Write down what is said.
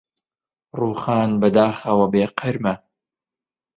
ڕووخان بەداخەوە بێ قرمە